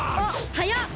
はやっ！